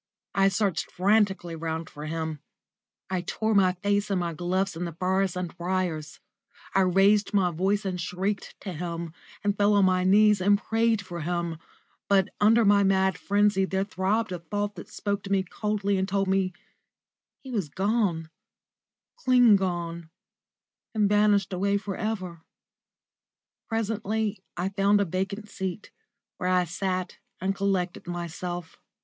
I searched frantically round for him; I tore my face and my gloves in the furze and briars; I raised my voice and shrieked to him, and fell on my knees and prayed for him; but under my mad frenzy there throbbed a thought that spoke to me coldly and told me he was gone clean gone, and vanished away for ever. Presently I found a vacant seat, where I sat and collected myself.